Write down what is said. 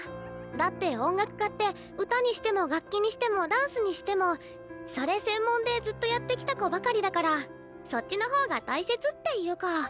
だって音楽科って歌にしても楽器にしてもダンスにしてもそれ専門でずっとやってきた子ばかりだからそっちの方が大切っていうか。